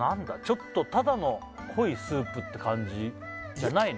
ちょっとただの濃いスープって感じじゃないね